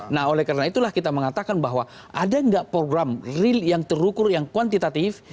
nah oleh karena itulah kita mengatakan bahwa ada nggak program real yang terukur yang kuantitatif